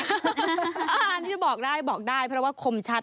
อันนี้จะบอกได้บอกได้เพราะว่าคมชัด